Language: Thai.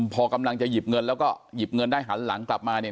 พอกำลังจะหยิบเงินแล้วก็หยิบเงินได้หันหลังกลับมาเนี่ย